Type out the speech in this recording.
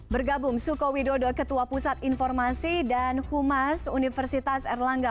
bergabung suko widodo ketua pusat informasi dan humas universitas erlangga